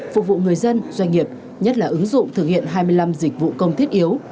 phục vụ người dân doanh nghiệp nhất là ứng dụng thực hiện hai mươi năm dịch vụ công thiết yếu